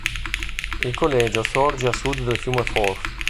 Il collegio sorge a sud del fiume Forth.